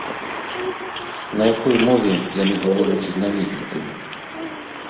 На якой мове яны гавораць з наведнікамі?